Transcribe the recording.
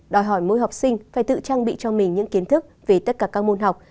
đòi hỏi mỗi học sinh phải tự trang bị cho mình những kiến thức về tất cả các môn học